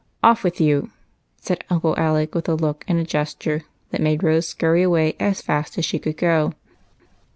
Off with you !" said Uncle Alec, with a look and a gesture that made Rose scurry away as fast as she could go.